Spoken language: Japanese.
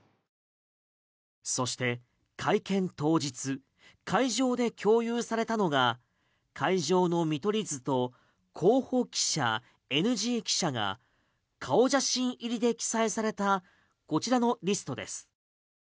そして、会見当日会場で共有されたのが会場の見取り図と指名ＮＧ記者が顔写真入りで記載されたこちらのリストです。